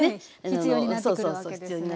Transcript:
必要になってくるわけですね。